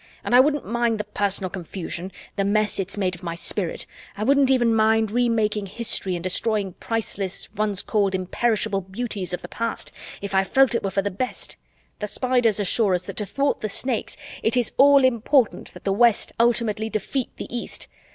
"And I wouldn't mind the personal confusion, the mess it's made of my spirit, I wouldn't even mind remaking history and destroying priceless, once called imperishable beauties of the past, if I felt it were for the best. The Spiders assure us that, to thwart the Snakes, it is all important that the West ultimately defeat the East.